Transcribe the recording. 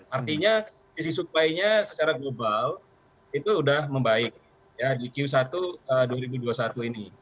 artinya sisi supply nya secara global itu sudah membaik di q satu dua ribu dua puluh satu ini